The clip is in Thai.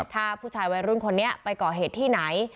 ถ้าผู้ชายวัยรุ่นคนนี้ไปก่อเหตุที่ไหน